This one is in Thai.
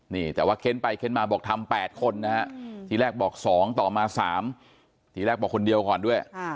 นี่แต่ว่าเค้นไปเค้นมาบอกทำ๘คนนะฮะทีแรกบอก๒ต่อมา๓ทีแรกบอกคนเดียวก่อนด้วย